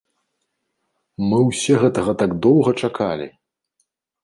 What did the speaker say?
Мы ўсе гэтага так доўга чакалі!